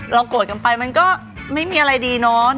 โกรธกันไปมันก็ไม่มีอะไรดีเนาะ